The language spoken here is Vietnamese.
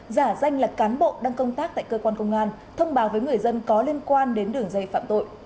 giả danh là cán bộ đang công tác tại cơ quan công an thông báo với người dân có liên quan đến đường dây phạm tội